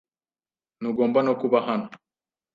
Ntugomba no kuba hano.